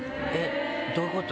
どういうこと？